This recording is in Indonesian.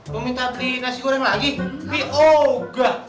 mau minta beli nasi goreng lagi nih ogah